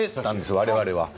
我々は。